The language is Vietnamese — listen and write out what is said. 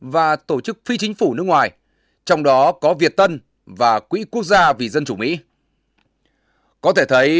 và tổ chức phi chính phủ nước ngoài trong đó có việt tân và quỹ quốc gia vì dân chủ mỹ